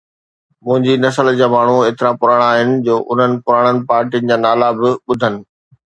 منهنجي نسل جا ماڻهو ايترا پراڻا آهن جو انهن پراڻن پارٽين جا نالا به ٻڌن.